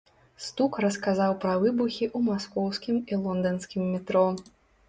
Стук расказаў пра выбухі ў маскоўскім і лонданскім метро.